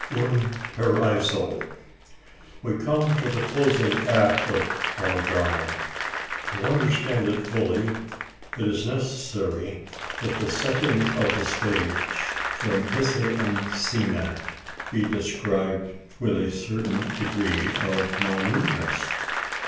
UN PARAISO. We come to the closing act of our drama. To understand it fully, it is necessary that the setting of the stage the mise en scene be described with a certain degree of minuteness.